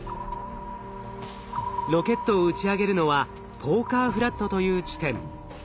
ロケットを打ち上げるのはポーカーフラットという地点。